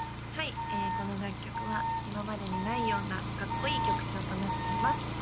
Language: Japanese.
はいこの楽曲は今までにないようなかっこいい曲調となっています